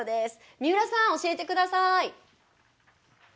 三浦さん教えてください！